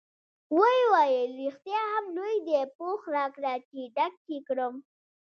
ویې ویل: رښتیا هم لوی دی، پوښ راکړه چې ډک یې کړم.